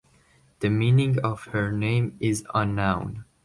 The meaning of her name is unknown.